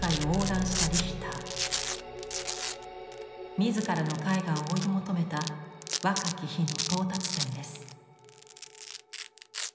自らの絵画を追い求めた若き日の到達点です。